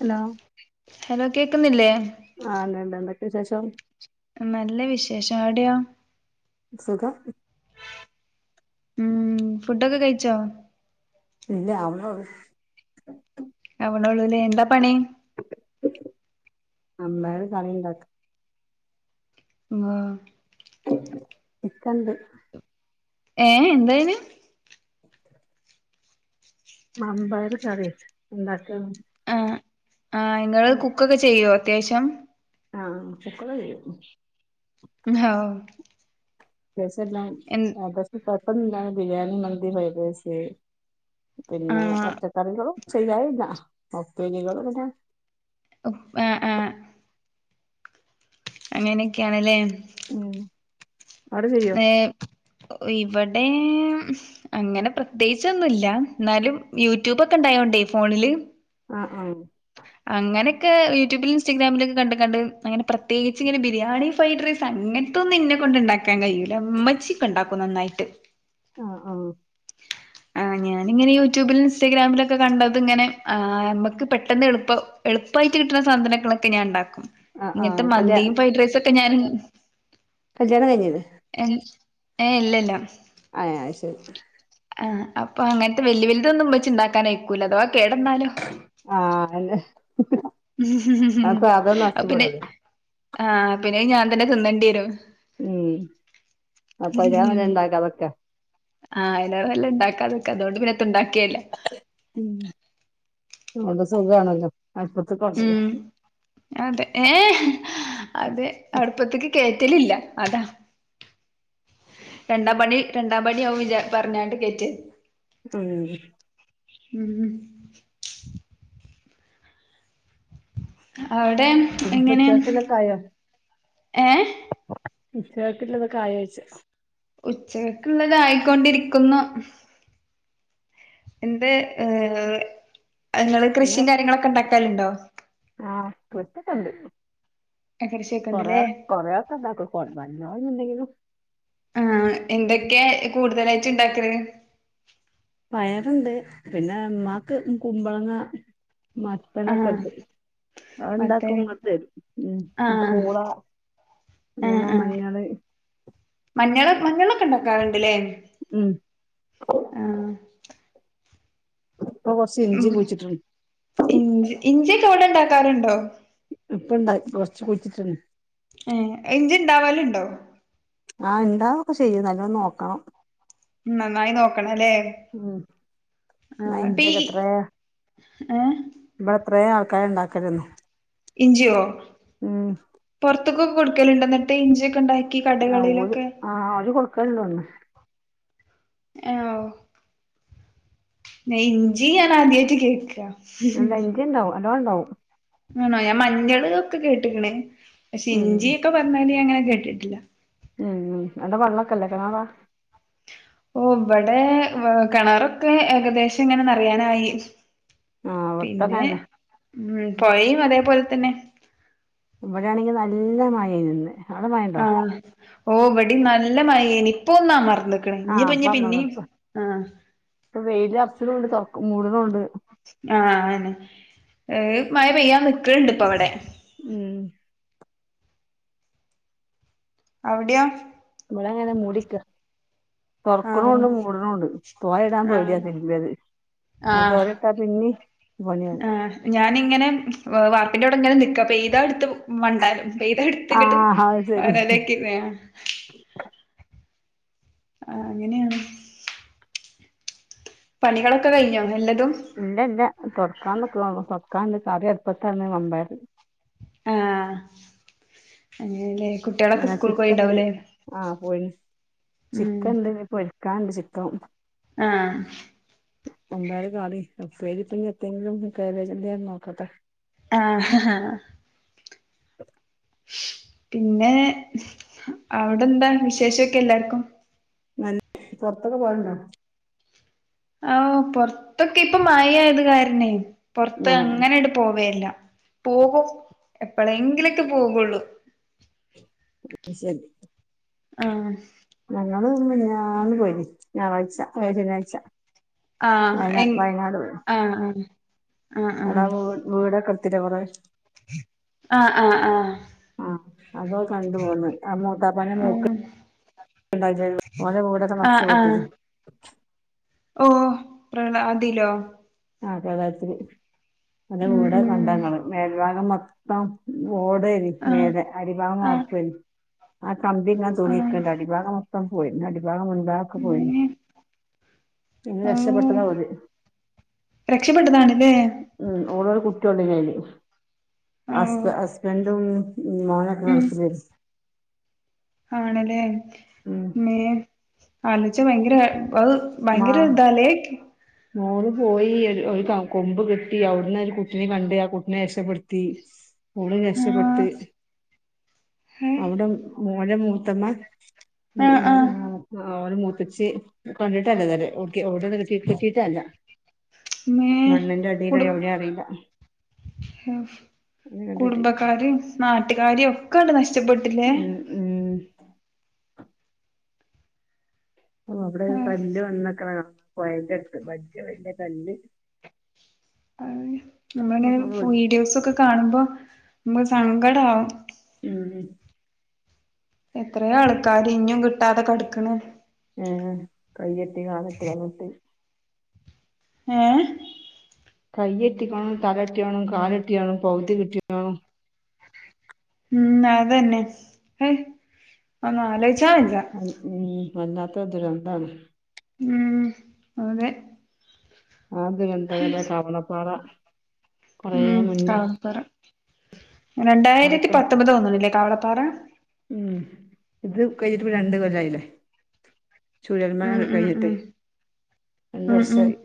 Hello hello കേക്കുന്നില്ലേ? ആണ്ട്ണ്ട് എന്തൊക്കെ വിശേഷം? നല്ല വിശേഷം. അവടെയോ? സുഖം. ഉം ഫുഡ്ഡോക്കെ കഴിച്ചോ? ഇല്ല ആവുണോള്ളു. ആവണോള്ളൂലെ. എന്താ പണി? വൻമ്പയറ് കറിണ്ടാക്കാ. ആഹ്. ഇക്കണ്ട്. ഏഹ് എന്തയ്ന്? [inaudible] വൻമ്പയ്റ് കറിയാ ഇണ്ടാക്കണ്. ആഹ് ഇങ്ങള് കുക്കൊക്കെ ചെയ്യോ അത്യാവശ്യം. ആഹ് കുക്കോള് ചെയ്യും. ആഹ്. അത്യാവുസ്യല്ലാം. എൻ [unintelligible] കോയപ്പോന്നൂല്ലാതെ ബിരിയാണി മന്തി ഫൈഡ്രൈസ് ആ പിന്നെ പച്ചക്കറികളും ചെയ്യാറില്ല. ഉപ്പേരികള് പിന്നെ അപ് ഏ അങ്ങനൊക്കെയാണലെ. ഉം അവടെ ചെയ്യ ഏഹ് ഇവടെ, അങ്ങനെ പ്രത്യേകിചൊന്നൂല. ഇന്നാലും യൂട്യൂബ്ക്കെ ണ്ടായോണ്ടെ ഫോണില്, ആഹ് ആ. അങ്ങനെക്കെ യൂട്യൂബിൽ ഇൻസ്റ്റഗ്രാമിലൊക്കെ കണ്ട കണ്ട്, അങ്ങനെ പ്രത്യേകിച്ച് ഇങ്ങന ബിരിയാണി ഫ്രൈഡ്റയ്സ്, തന്നക്കും ഇന്ന കൊണ്ട് ണ്ടാക്കാൻ കഴിയൂല. ഇമ്മച്ചിക്ക ഇണ്ടാക്കും നന്നായിട്ട്. ആഹ് ആഹ. ഞാനീങ്ങനെ യൂട്യൂബിലും ഇൻസ്റ്റാഗ്രാമിലൊക്കെ കണ്ടത് ഇങ്ങനെ, ആ നമ്മക്ക് പെട്ടെന്ന് എളുപ്പം എളുപ്പായിട്ട് കിട്ടണ സാധനങ്ങളൊക്കെ ഞാൻ ഉണ്ടാക്കും. ആഹ് ആഹ് ഇങ്ങനത്തെ കല്യാ മന്തിയും ഫ്രൈഡ് റൈസക്കെ ഞാൻ, കല്യാണം കഴഞ്ഞില്ലേ? എൻ ഏഹ് ഇല്ലല്ല. ആ അഹ് ശരി. ആഹ് അപ്പ അങ്ങനത്തെ വലിയ വലുതൊന്നുമ്മച്ചി ണ്ടാക്കാനയ്ക്കൂല അഥവാ കേടന്നാലോ. ആഹ് അല്ലെ. അ പിന്നെ, ആഹ് പിന്നെ ഞാൻ തന്നെ തിന്നേണ്ടി വരും. ഉം അപ്പൊയി [unintelligible] ഉണ്ടാകാതക്ക. ആഹ് അയിനാറനല്ലത് ഉണ്ടാക്കാതെക്കെ അതുകൊണ്ട് പിന്ന ഉണ്ടാക്കിയല്ലേ ഉം അതോണ്ട് സുഖണല്ലോ അട്പത്ത്കോണ്ടല്ലോ ഉം അതെ ഏ അതെ അടുപ്പത്തേക്ക് കേറ്റലില്ല അതാ രണ്ടാം പണി രണ്ടാം പണിയാവും വിച പറഞ്ഞാണ്ട് കേറ്റിയ ഉം ഉം അവിടെ ഉം എങ്ങനെ ഉച്ചക്കലൊക്കെ ആയോ ഏഹ് ഉച്ചക്ക്ഇള്ളതൊക്കെ ആയിവെച്ച് ഉച്ചകക്കുള്ളതായിക്കൊണ്ടിരിക്കുന്നു എന്തെ ഏ നിങ്ങള് ഇന്ന് കൃഷിയും കാര്യങ്ങളൊക്കെ ഉണ്ടാക്കാലുണ്ടോ ആഹ് കൊറച്ചക്കണ്ട് കൃഷിയൊക്കെ കൊറ ഇണ്ട്ല്ലേ കൊറയാ [unintelligible] നല്ല പോലെന്തെങ്കിലും ആഹ് എന്തൊക്കെയ കൂടുതലായിട്ട് ഇണ്ടാക്കല് പയറണ്ട് പിന്നെ മ്മാക് കുമ്പളങ്ങ മത്തനൊക്കെ ആഹ് ഉണ്ട് മത്തന് ഉണ്ടാക്കും ഇങ്ങത്തെരും ഉം ആഹ് കൂള ആഹ് പൂള ആഹ് മഞ്ഞള് മഞ്ഞള് മഞ്ഞളൊക്കെ ഉണ്ടാക്കാറുണ്ടല്ലേ ഉം ആഹ് ഇപ്പ കുറച്ച് ഉം ഇഞ്ചി കുയിച്ചിട്ടട്ടുണ്ട് ഇഞ്ചി ഇഞ്ചിയൊക്കെ അവിടെ ഉണ്ടാക്കാറുണ്ടോ ഇപ്പ ഇണ്ടാക്കി കുറച്ച് കുയിച്ചിട്ടുണ് ഏ ഇഞ്ചി ഇണ്ടാവലുണ്ടോ ആഹ് ഇണ്ടാവോക്കെ ചെയ്യും നല്ലോ നോക്കണം നന്നായി നോക്കണല്ലേ ഉം ആഹ് ടി ഇഞ്ചിയൊക്കെ എത്രേ ഏഹ് ഇവിടെ എത്രയും ആൾക്കാർണ്ടാക്കരുന്ന് ഇഞ്ചിയോ പൊറത്തക്കൊക്കെ കൊടുക്കലുണ്ടോ എന്നിട്ട് ഇഞ്ചിയൊക്കെ ഉണ്ടായി ആഹ് ഓര് അവര് കൊടുക്കലുണ്ടോന്ന് ഏഹ് ന ഇഞ്ചി ഞാനാദ്യായിട്ടു കേൾക്ക ഇഞ്ചി ഉണ്ടാവും നല്ലോണ്ടാവും ആണോ ഞാൻ മഞ്ഞളോക്കെ കേട്ടിക്കണെ പക്ഷെ ഉം ഇഞ്ചിയൊക്കെ പറഞ്ഞല് അങ്ങനെ കേട്ടിട്ടില്ല ഉം അവ്ട വള്ളൊക്കെല്ലേ കെണറാ ഓ ഇവിടെ കിണറൊക്കെ ഏകദേശം ഇങ്ങനെ നറയാനായി ആഹ് പിന്നെ ഇവട്ത്തങ്ങനന്നെ ഉം പായലും അതേപോലെ തന്നെ ഇവിടെ ആണെങ്കി നല്ല മാഴയാരിന്ന് ആഹ് ഓ ഇവടി നല്ല മയേനി ഇപ്പൊ ഒന്നാമർന്ന് ക്കണ് ആഹ് ഇനിയിപ്പം ഇഞ്ഞി ഇപ്പ ഇപ്പ പിന്നെയും ഇപ്പൊ ആഹ് ഇപ്പൊ വെയില് [unintelligible] ആഹ് ആന്ന് ഈ മഴ പെയ്യാൻ നിക്കണിണ്ട് ഇപ്പം അവിടെ ഉം അവിടെയോ ഇവിടെ അങ്ങനെ മൂടിക്ക തൊറക്ക്ണ് ആഹ് ഉണ്ട് മൂടണ് ഉണ്ട് തോര ഇടാൻ പേടിയാ ആഹ് [unintelligible] അത് ആഹ് അതുപോലിട്ട പിന്നെയും പണിയാവും ഞാൻ ഇങ്ങനെ വാർപ്പിന്റെവിടെ ഇങ്ങനെ നിക്കാ പെയ്താ ഇടുത്ത് മണ്ടാലോ പെയ്താ ഇട് ത്തികിട്ടും ആഹ് അത് ശരി [unintelligible] ആഹ് അങ്ങനെയാണ് പണികളൊക്കെ കഴിഞ്ഞോ എല്ലതും ഇല്ല ഇല്ല തൊടക്കാൻ നിക്ക്‌ണൊള്ളൂ തൊട്ക്കാന്ണ്ട് കറി അടുപ്പാത്താന്ന് വമ്പയറ് ആ അങ്ങനല്ലേ കുട്ട്യാളൊക്കെ പിന്നെ സ്കൂൾക്ക്‌ ചിക്കൻണ്ട് പോയിണ്ടാവുലേ ആഹ് പോയിണ് ഉം ചിക്കൻ ഇണ്ട് ഇനി പൊരിക്കാൻ ഇണ്ട് ചിക്കൻ ആഹ് വമ്പയർ കാളി ഉപ്പേരി ഇപ്പൊ ഇനി എത്തിയെങ്കിലും കേബേജിൻ്റെ നോക്കട്ടെ ആഹ് പിന്നേ അവിടെ എന്താ വിശേഷൊക്കെ എല്ലാർക്കും നല്ല പൊറത്തൊക്കെ പോവലുണ്ടാ ഓ പൊറത്തൊക്കെ ഇപ്പം മയയായത് കാരണെ പൊറത്ത് ആഹ് അങ്ങനണ്ട് പോവേ ഇല്ല പോവും എപ്പളേങ്കിലൊക്കെ പോകുള്ളൂ അത്‌ ശെരി ആഹ് ഞങ്ങള് മിനിയാന്ന് പോയിനി ഞായറാഴ്ച അല്ല ശനിയാഴ്ച ആഹ് വയനാ എങ് ആഹ് ആഹ് ആഹ് എടാ വീ വീട് ഒക്കെ എട്ത്തീലെ കൊറേ ആഹ് ആഹ് ആഹ് ആഹ് അതോ കണ്ടു പോന്ന് ആ മൂത്താപ്പന്റെ മോക്ക്‌ ആഹ് ആഹ് ആഹ് [unintelligible] ഓഹ് പ്രള അതിലോ ആ പ്രളയത്തില് ഓന്റെ ഉം വീട് ഒക്കെ ഉം കണ്ടാ ഇങ്ങള് മേൽഭാഗം മൊത്തം ഓടേനി ആഹ് മേലെ അടിഭാഗം ആഹ് വാർപ്പേനി ആ കമ്പി ഇങ്ങനെ ആഹ് തൂങ്ങിനിക്ക്‌ണ്ട് അടിഭാഗം മൊത്തം പോയി ഇനി അടിഭാഗം മുൻഭാഗം ഒക്കെ പോയിന്ന് അങ്ങനെ അയിന്ന് രക്ഷപെട്ടതാ ഓര് രക്ഷപ്പെട്ടതാണ്ലേ ഉം ഓളൊരും കുട്ടിയും ഒള്ളേനി അയില് ഓ ഹസ്ബ ഹസ്ബൻ്റും ഉം മോനൊക്കെ ഗൾഫിലേന്ന് ആണ്ലേ ഉം ഇമ്മേ ആലോയിച ഭയങ്കര അത് മാ ഭയങ്കര ഇതാലേ കേ മോള് പോയി ഒര് ഒരു കൊമ്പ് കിട്ടി അവിട്ന്ന് ഒരു കുട്ടിനേം കണ്ട് ആ കുട്ടിനെ രക്ഷപെടുത്തി [unintelligible] ഓള് രക്ഷപ്പെട്ട് ആഹ് അവിടെ ഓരെ മൂത്തമ്മ ഉം ആഹ് ഉം ആഹ് ആ ഓരെ മൂത്തച്ചി കണ്ടിട്ടല്ല ഇതുവരെ ഓകെ ഓടെ [unintelligible] അല്ല മേ മണ്ണിന്റെ അടീലായി എവിടെയാ അറീല്ല കുടുംബക്കാരേം നാട്ട്ക്കാരേം ഒക്കെ അണ്ട് നഷ്ടപ്പെട്ടു ഉം ഉം ഓ അവിടെ ആഹ് കല്ല് വന്ന്ക്ക്ണ കാണ പൊയേന്റട്ത്ത് വല്ല്യ വല്ല്യ കല്ല് അപ്പൊ വീഡിയോസ് ഒക്കെ കാണുമ്പോ ഇമ്മക്ക് സങ്കടാവും ഉം എത്രയേ ആൾക്കാര് ഇനിം കിട്ടാതെ കെടക്ക്‌ണ് ഉം കൈയെട്ടി കാലറ്റ് കളഞ്ഞിട്ട് ഏഹ് കയ്യെത്തിക്കോനും തല കിട്ട്യോനും കാലെട്ട്യോനും പകുതി കിട്ടിക്കോനും ഉം അതെന്നെ അഹ് ഒന്നാലോച്ചാ വെജ്ജ ഉം വല്ലാത്ത ദുരന്താണ് ഉം അതെ അത് ദുരന്തല്ലേ കവലപ്പാറ ഉം കവളപ്പാറ രണ്ടായിരത്തി അവിടൊക്കെ വ- പത്തൊമ്പതാ തോന്ന്ണ്ല്ലേ കവളപ്പാറ ഉം ഇത് കഴിഞ്ഞിട്ടിപ്പം രണ്ട് കൊല്ലായിലേ ചൂരൽ ഉം മല ഉം കയിഞ്ഞിട്ട് ഉം രണ്ട് ഉം ഉം വർഷായി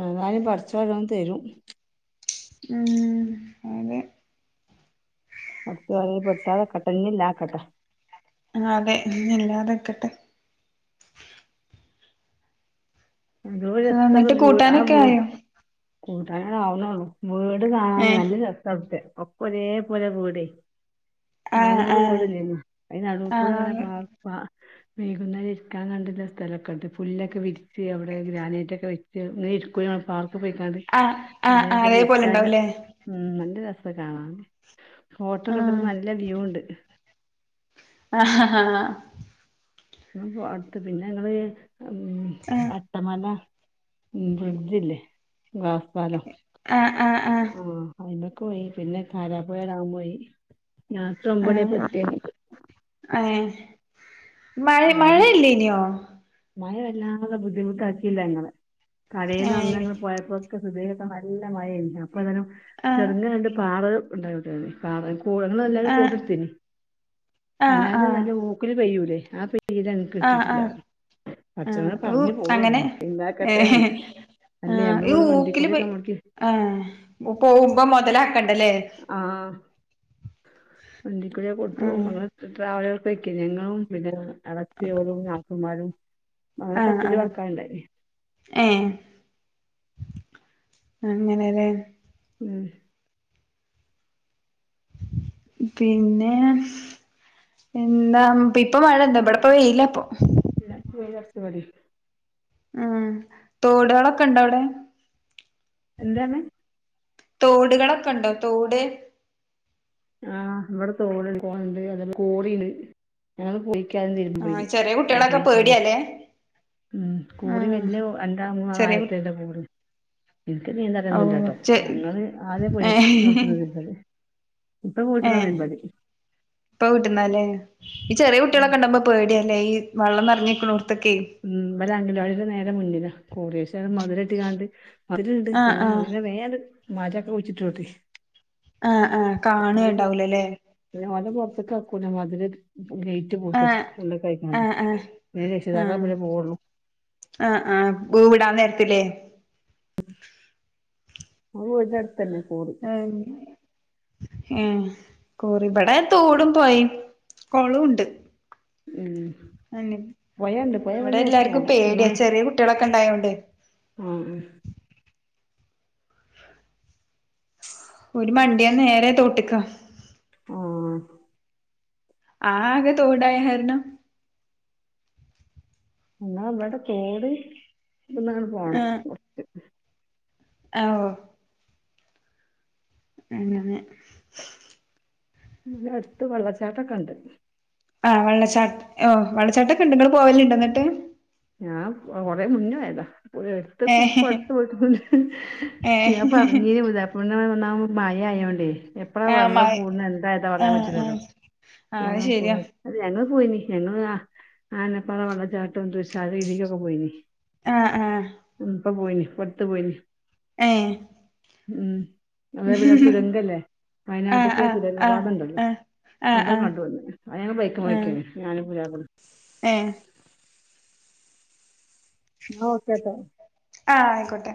എന്നാലും പടച്ചോൻ വല്ലതും തരും ഉം അതെ അവർക്ക് വേണേങ്കിൽ പട്ടാല ഇഞ് ഇല്ലാക്കട്ടെ ആഹ് അതെ ഇന്ന് എല്ലാവിടെ നിക്കട്ടെ എന്തോ രസള്ള എന്നിട്ട് വീടാ കൂട്ടാനൊക്കെ ആയോ കൂടാനാവുന്നേ ഉള്ളൂ വീട് ഏ കാണാന് നല്ല രസമുണ്ട് ഒരേ പോലെ വീട് ആ നാനൂറ് ആ വീട് ഇല്ലേ ആ നടുവിൽ കൂടെ അങ്ങനെ, പോപ. വൈകുന്നരം ഇരിക്കാൻ കണ്ടില്ല സ്ഥലമൊക്കെ ഉണ്ട് പുല്ലൊക്കെ വിരിച്ച് അവിടെ ഗ്രാനൈറ്റ് ഒക്കെ വെച്ച്ക്ക് നീ സ്കൂളിൽ നിന്ന് വരുമ്പോൾ പാർക്ക് പോയി കണ്ട് ആഹ് ആഹ് ആഹ് ഒരേപോലെ ഉണ്ടാവൂല്ലേ ഉം നല്ല രസം കാണാം ആ ഫോട്ടോക്കെടുത്തിട്ട് നല്ല വ്യൂ ഉണ്ട് ആഹ് ആഹ് ഹാ അടുത്ത് പിന്നെ ങ്ങള് ഉം ആ അട്ടമല ഉം ബ്രിഡ്ജില്ലേ ഗ്ലാസ് പാലം ആ ആ ആ ആഹ് അയിലൊക്കെ പോയി പിന്നെ കവലപാറയിൽ അവൻ പോയി ലാസ്റ്റ് ഒമ്പതര ആയപ്പോഴേക്ക് എത്തിയത് ആഹ് മഴ മഴയില്ലേനോ മഴ വല്ലാതങ്ങ് ബുദ്ധിമുട്ടാക്കിയില്ല ഇങ്ങളെ കടയിൽ ഏ വന്ന് നിങ്ങൾ പോയപ്പോ നല്ല മഴയില്ല അപ്പൊ അതും ആ ചെറിയ രണ്ട് പാറൽ ഉണ്ടാവുണ്ട് പാറൽ ഇവിടെന്നാല്ലാരും ആ കുടയെടുത്തിന് ആ അല്ലാതെ നല്ല ആ ഊക്കിന് പെയ്യൂലേ ഇതെനിക്ക് ആ കിട്ടിയിട്ടില്ല ആ അവര് ആഹ് പടച്ചോനെ ഊ പറഞ്ഞ് അങ്ങനെ പോവല്ലേ ഇണ്ടാക്കട്ടെന്ന് ഏഹ് അല്ലെങ്കിൽ ആഹ് നമ്മള് ഈ പോകുന്ന വണ്ടി ഊക്കില് കൂലി പോയി കൂട്ടിക്കേ ആഹ് ഇപ്പ മുതലാകുന്നണ്ടല്ലേ ആഹ് വണ്ടിക്ക് പോയാ പൊട്ടു ഓ ഉം മോളേ ട്രാവലർ ബുക്ക് ചെയ്തിനു ഞങ്ങളും പിന്നെ ഇടച്ച ഓരും നാത്തൂന്മാരും നമ്മളൊക്കെ ആഹ് പിരിവ് ആഹ് കൊട്ക്കണ്ടായി ഏഹ് അങ്ങനെല്ലേ ഉം പിന്നെ എന്താ ഇപ്പൊ മഴ ഇണ്ടാ ഇവിടെ ഇപ്പം വെയിലാ ഇപ്പൊ ഇല്ല വെയിലറച്ച് തുടങ്ങി ഉം തോടുകളൊക്കെ ഉണ്ട അവിടെ എന്താണ് തോടുകളൊക്കെ ഉണ്ടോ തോട് ആഹ് ഇവിടെ തോട് ഇണ്ട് അതെല്ല ക്വാറിണ്ട് ഞങ്ങള് കുളിക്കാനും തിരുമ്പാനും ആഹ് പോയിന് ചെറിയ കുട്ടികളൊക്കെ അതാണ് പോയത് പേടിയാല്ലേ ഉം ക്വാറി ആഹ് വല്ല്യ രണ്ടോ മൂന്നോ ആള ചെറിയ കുട്ടി ആയത്തിലുള്ള ക്വാറി എനിക്ക് ഓ നീന്തറിയൊന്നുല്ലട്ടോ ചെ ഞങ്ങള് ആദ്യം പോയിട്ടു ഏഹ് വന്നു ഇപ്പം ഏഹ് [unintelligible] ഇപ്പ വീട്ടുന്ന അല്ലേ ഈ ചെറിയ കുട്ടികളൊക്കെ ഉണ്ടാവുമ്പോ പേടിയ അല്ലേ ഈ വള്ളം നിറഞ്ഞിരിക്കണൂർത്തൊക്കെ ഉം ഇവരെ അംഗനവാടിയുടെ നേരെ മുന്നില ക്വാറി പക്ഷേ അത് മതിലെ ട്ടികാണ്ട് ആഹ് പിന്നെ ആഹ് അങ്ങനെ വേം അങ്ങട്ംമരൊക്കെ കുഴ്ച്ട്ടൂട് ആഹ് ആഹ് കാണെണ്ടാവൂലലേ ഒരുപാട്പൊർത്ത്ക്ക് എർക്കൂല മതില്ഇഗേ പൂട്ടും ആഹ് ഉളളാകാകാണ്ട ആഹ് ആഹ് രക്ഷിതാക്കളെ ആഹ് പിന്നെ പോവൊള്ളൂ ആഹ് ആഹ് ബൂവിടാൻനേരത്ത്ലേ വീട്നട്തന്നെ കൂട് [unintelligible] ഏഹ് കുറി ഇവടെ തോടും പോയിം കൊളൂംണ്ട് ഉം അനെ പൊഴണ്ട് പൊഴ ഇവടെ ഇവട്ന്ന് കൊർച്ച് എല്ലാർക്കും പോണം പേട്യാ ചെറിയ കുട്യാളൊക്കെ ഇണ്ടായോണ്ട് ഉം ഉം ഓര് മണ്ടിയാനേരെ തോട്ട്ക്കാ. ആഹ് ആകെ തോടായ കാര്ണം. എന്നാ ഇവിടെ തോട് ഇവ്ട്ന്നങ്ങട് പോണം കൊ ആഹ് ഓ അങ്ങെനെ വ്ടെ അട്ത്ത് വെള്ളച്ചാട്ടൊക്കെണ്ട്. ആഹ് വെള്ളച്ചാട്ട് ഓ വെള്ളച്ചാട്ടൊക്കെണ്ട് ഇങ്ങള് പോവല്ണ്ടെന്നിട്ട്? ഞാംകൊറെ മുന്നോയതാ പൊ ഏഹ് ഇപ്പട്ത്ത്പോയിട്ടൊള്ളു ഏഹ് ഞാപറഞ്ഞീന [unintelligible] നന്നാവും മയ ആയോണ്ടേ എപ്പഴ ആഹ് വെള്ളം മഴ കൂട്ണ്എന്തായേതാ പറയാൻ ആഹ് പറ്റൂലല്ലോ ആഹ് ആഹ് അത് പോണംപോ ശെരിയാ അത് ഞങ്ങള്പോയീന് ഞങ്ങള് ആ ആനപ്പാറ വെള്ളച്ചാട്ടോം തുശാരഗിരീക്കൊക്കെ പോയീനി. ആഹ് ആഹ് ഇപ്പ പോയീനീ പ്പട്ത്ത്പോയീനീ ഏഹ് ഉം അതേ പിന്നെ തുരങ്കല്ലേ ആഹ് വയനാട്ട്ക്കെ ആഹ് ആഹ് തുരങ്കപാത ണ്ടല്ലോ. ആഹ് ആഹ് ആഹ് അതൊകണ്ടുവന്നു അത്ഞങ്ങ ബൈക്ക്മ്മെ ആഹ് പോയ്ക്കേയ്ന് ഞാനും പുതാപ്ളിം. ഏഹ് നോക്കട്ടെ. ആഹ് ആയ്ക്കോട്ടെ.